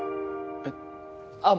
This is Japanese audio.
えっ。